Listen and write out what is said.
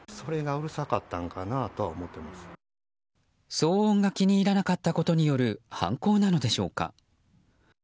騒音が気に入らなかったことによる犯行なのでしょうか？